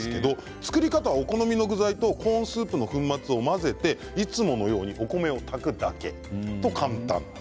作り方は、お好みの具材とコーンスープの粉末を混ぜていつものようにお米を炊くだけと簡単です。